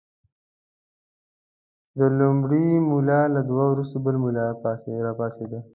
د لومړي ملا له دعا وروسته بل ملا راپاڅېد.